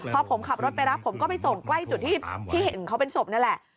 พอผมขับรถไปรับผมก็ไปส่งใกล้จุดที่เห็นเขาเป็นศพนั่นแหละ